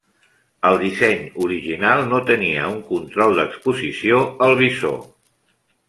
El disseny original no tenia un control d'exposició al visor.